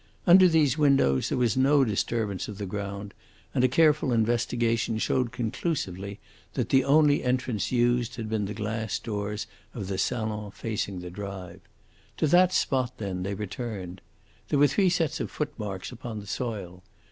Under these windows there was no disturbance of the ground, and a careful investigation showed conclusively that the only entrance used had been the glass doors of the salon facing the drive. To that spot, then, they returned. There were three sets of footmarks upon the soil.